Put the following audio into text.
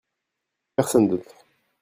Personne d'autre.